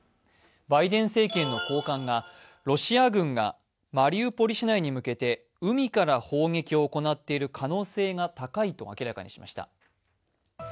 バイデン政権の高官がロシア軍がマリウポリ市内に向けて海から砲撃を行っている可能性が高いと明らかにしました。